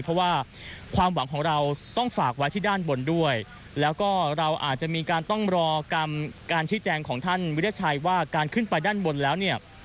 เพราะว่าความหวังของเราต้องฝากไว้ที่ด้านบนด้วยแล้วก็เราอาจจะมีการต้องรอกรรมการชี้แจงของท่านวิทยาชัยว่าการขึ้นไปด้านบนแล้วเนี่ย